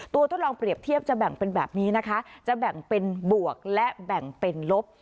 ทดลองเปรียบเทียบจะแบ่งเป็นแบบนี้นะคะจะแบ่งเป็นบวกและแบ่งเป็นลบ